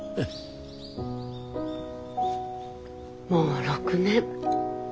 もう６年。